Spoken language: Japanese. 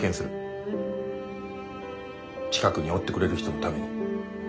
近くにおってくれる人のために。